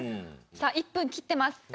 さあ１分切ってます。